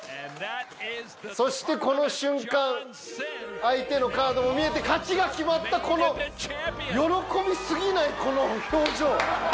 そしてこの瞬間相手のカードも見えて勝ちが決まったこの喜び過ぎない表情。